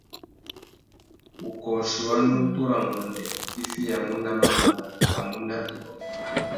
Wukôchi wa nutu râ nguêndê i tifiyamú nà mamana a mú nà ibômô.